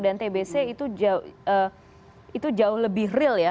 dan tbc itu jauh lebih real ya